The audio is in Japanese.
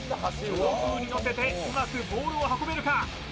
強風に乗せてうまくボールを運べるか？